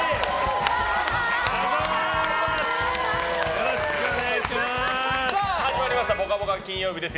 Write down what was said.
よろしくお願いします！